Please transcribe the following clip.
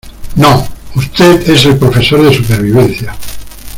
¡ no! usted es el profesor de supervivencia.